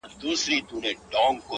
څوک حاجیان دي څوک پیران څوک عالمان دي,